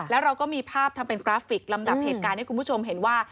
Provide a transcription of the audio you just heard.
แล้วเราก็มีภาพทำเป็นกราฟิกลำดับเหตุการณ์ให้คุณผู้ชมเห็นว่า